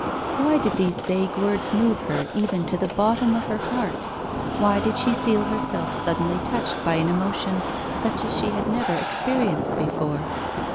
Why did these vague words move her even to the bottom of her heart? Why did she feel herself suddenly touched by an emotion such as she had never experienced before?